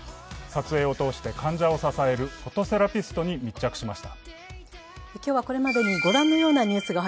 撮影を通して患者を支えるフットセラピストに密着しました。